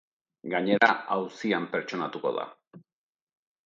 Gainera, auzian pertsonatuko da.